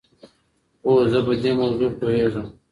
هو زه په دې موضوع پوهېږم.